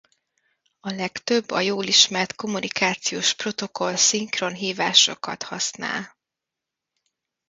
A legtöbb a jól ismert kommunikációs protokoll szinkron hívásokat használ.